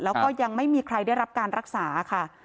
แล้วก็ยังไม่มีใครได้รับการรักษาค่ะ